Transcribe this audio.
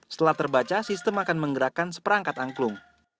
setelah terbaca sistem akan menggerakkan seperangkat angklung